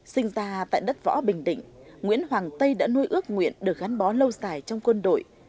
sinh ra tại đất võ bình định nguyễn hoàng tây đã nuôi ước nguyện được gắn bó lâu dài trong quân đội